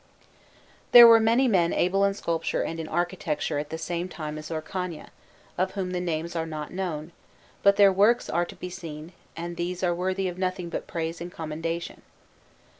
There were many men able in sculpture and in architecture at the same time as Orcagna, of whom the names are not known, but their works are to be seen, and these are worthy of nothing but praise and commendation.